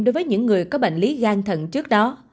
đối với những người có bệnh lý gan thận trước đó